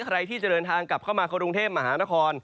ใครที่จะเดินทางกลับเข้ามากรุงเทพมหานคร